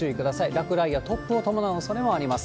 落雷や突風を伴うおそれもあります。